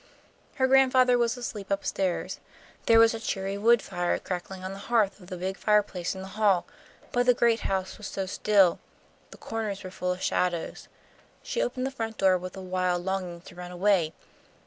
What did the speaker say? Her grandfather was asleep up stairs. There was a cheery wood fire crackling on the hearth of the big fireplace in the hall, but the great house was so still. The corners were full of shadows. She opened the front door with a wild longing to run away.